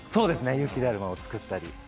雪だるまを作ったり。